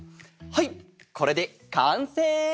はいこれでかんせい！